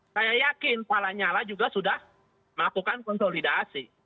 saya yakin palanyala juga sudah melakukan konsolidasi